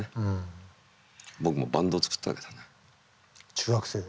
中学生で？